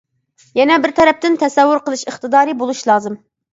يەنە بىر تەرەپتىن تەسەۋۋۇر قىلىش ئىقتىدارى بولۇش لازىم.